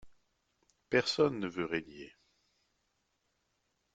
Personne ne veut régner.